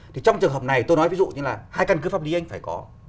thì trong trường hợp này tôi nói ví dụ như là hai căn cứ pháp lý anh phải có